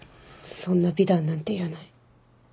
そんな美談なんていらない。